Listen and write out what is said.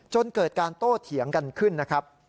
จนเกิดการโต้เถียงกันขึ้นนะครับ